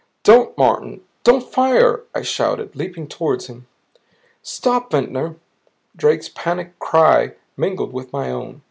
"Don't! Martin don't fire!" I shouted, leaping toward him. "Stop! Ventnor " Drake's panic cry mingled with my own.